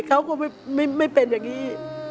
เขาก็ไม่เป็นอย่างนี้